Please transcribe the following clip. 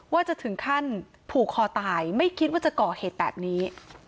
ว่าจะถึงขั้นผูกคอตายไม่คิดว่าจะก่อเหตุแบบนี้